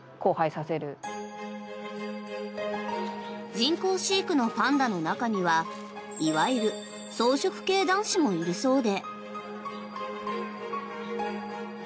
人工飼育のパンダの中にはいわゆる草食系男子もいるそうで。